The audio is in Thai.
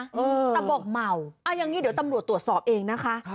แต่บอกเมาเอาอย่างนี้เดี๋ยวตำรวจตรวจสอบเองนะคะ